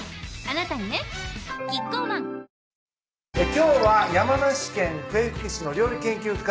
今日は山梨県笛吹市の料理研究家